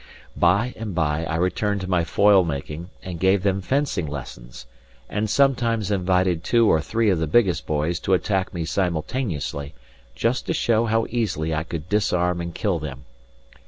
By and by I returned to my foil making, and gave them fencing lessons, and sometimes invited two or three of the biggest boys to attack me simultaneously, just to show how easily I could disarm and kill them.